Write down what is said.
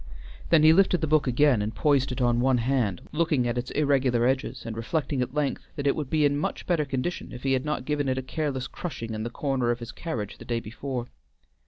Then he lifted the book again and poised it on one hand, looking at its irregular edges, and reflecting at length that it would be in much better condition if he had not given it a careless crushing in the corner of his carriage the day before.